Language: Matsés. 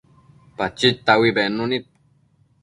Pachid taui bednu nid